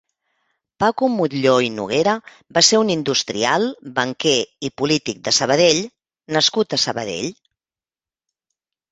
Paco Mutlló i Noguera va ser un industrial, banquer i polític de Sabadell nascut a Sabadell.